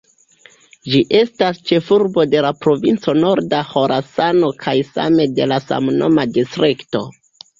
Ĝi estas ĉefurbo de la Provinco Norda Ĥorasano kaj same de la samnoma distrikto.